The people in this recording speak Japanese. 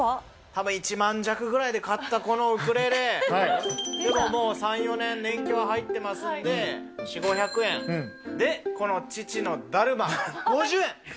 たぶん１万弱ぐらいで買ったこのウクレレ、もう３、４年、年季は入ってますんで、４、５００円、で、この父のだるま、５０円。